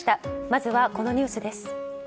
まずは、このニュースです。